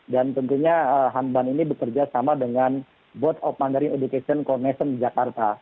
dan tentunya hanban ini bekerja sama dengan board of mandarin education commission jakarta